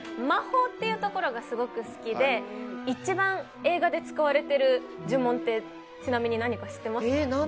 魔法っていうところがすごく好きで１番映画で使われてる呪文ってちなみに何か知ってますか？